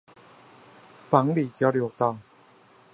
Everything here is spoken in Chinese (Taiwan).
房裡交流道